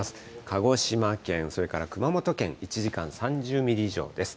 鹿児島県、それから熊本県、１時間３０ミリ以上です。